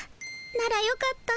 ならよかった。